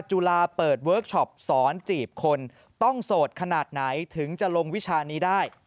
จุฬาเปิดเวิร์คชอปสอนจีบคนต้องโสดขนาดไหนถึงจะลงวิชานี้ได้